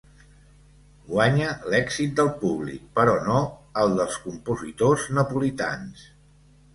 Guanya l'èxit del públic però no el dels compositors napolitans.